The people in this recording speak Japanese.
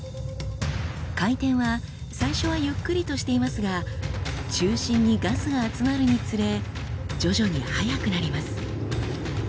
回転は最初はゆっくりとしていますが中心にガスが集まるにつれ徐々に速くなります。